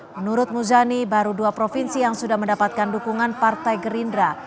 menurut muzani baru dua provinsi yang sudah mendapatkan dukungan partai gerindra